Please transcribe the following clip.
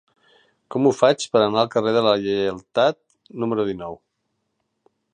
Com ho faig per anar al carrer de la Lleialtat número dinou?